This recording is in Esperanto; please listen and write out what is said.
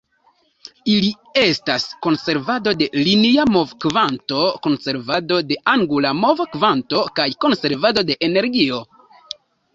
Ili estas Konservado de Linia Movokvanto, Konservado de Angula Movokvanto, kaj Konservado de Energio.